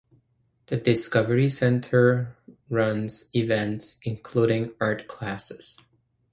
The Discovery Centre runs events including art classes.